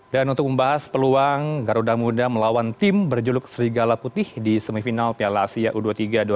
dan untuk membahas peluang garuda muda melawan tim berjuluk serigala putih di semifinal piala asia u dua puluh tiga dua ribu empat